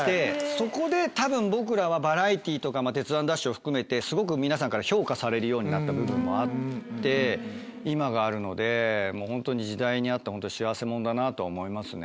そこでたぶん僕らはバラエティーとかまぁ『鉄腕！ＤＡＳＨ‼』を含めてすごく皆さんから評価されるようになった部分もあって今があるのでもうホントに時代に合った幸せ者だなとは思いますね。